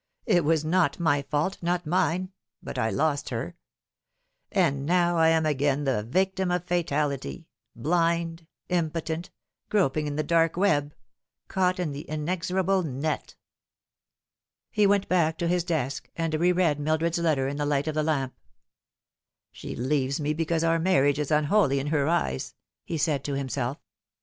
It was not my fault not mine but I lost her. And now I am again the victim of fatality blind, impotent groping in the dark web caught in the inexorable net." He went back to his desk, and re read Mildred's letter in the light of the lamp. " She leaves me because our marriage is unholy in her eyes," he said to himself.